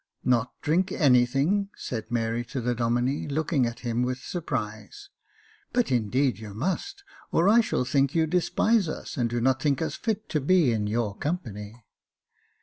"Not drink anything?" said Mary to the Domine, looking at him with surprise \" but indeed you must, or I shall think you despise us, and do not think us fit to be in your company."